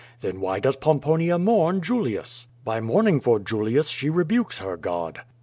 Then why does Pomponia mourn Julius? By QUO VADtS. 33 mourning for Julius she roLnkos her God.